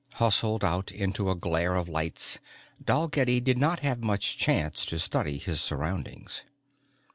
Hustled out into a glare of lights Dalgetty did not have much chance to study his surroundings.